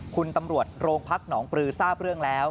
คุณตำรวจโรงพักหนองปลือทราบเรื่องแล้ว